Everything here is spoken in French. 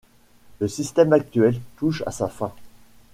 Le système actuel touche à sa fin.